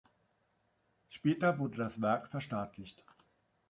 Später wurde das Werk verstaatlicht.